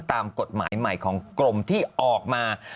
ตามกฎหมายใหม่ของกรมที่ออกมา